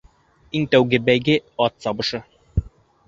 Иң тәүге бәйге — ат сабышы.